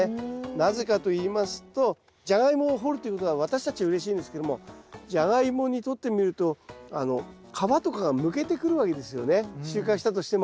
なぜかと言いますとジャガイモを掘るということは私たちうれしいんですけどもジャガイモにとってみると皮とかがむけてくるわけですよね収穫したとしても。